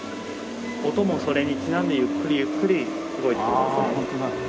音もそれにちなんでゆっくりゆっくり動いていくんですね。